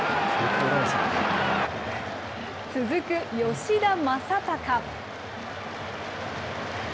続く吉田正尚。